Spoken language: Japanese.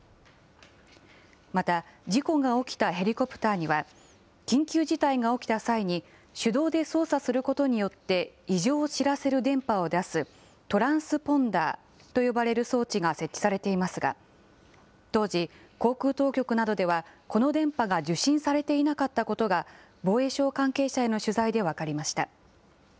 また、事故が起きたヘリコプターには、緊急事態が起きた際に手動で操作することによって異常を知らせる電波を出すトランスポンダーと呼ばれる装置が設置されていますが、当時、航空当局などではこの電波が受信されていなかったことが、防衛省関係者への取材で分かりました。